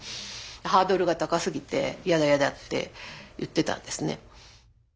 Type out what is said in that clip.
ハードルが高すぎてやだやだって言ってたんですね。